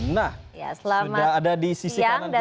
nah sudah ada di sisi kanan kita